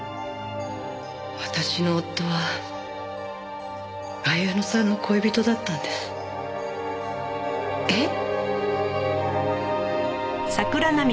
私の夫は彩乃さんの恋人だったんです。えっ！？